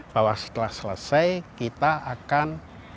bahwa setelah selesai kita akan